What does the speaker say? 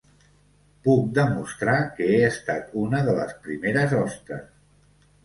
Puc demostrar que he estat una de les primeres hostes.